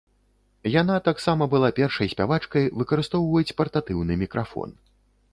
Яна таксама была першай спявачкай выкарыстоўваць партатыўны мікрафон.